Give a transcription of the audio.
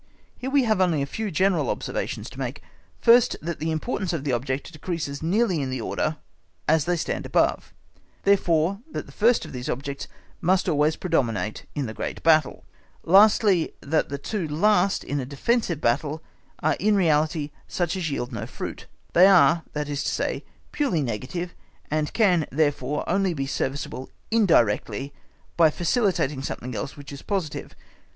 Here we have only a few general observations to make, first, that the importance of the object decreases nearly in the order as they stand above, therefore, that the first of these objects must always predominate in the great battle; lastly, that the two last in a defensive battle are in reality such as yield no fruit, they are, that is to say, purely negative, and can, therefore, only be serviceable, indirectly, by facilitating something else which is positive.